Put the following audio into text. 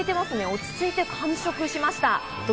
落ち着いて完食しました。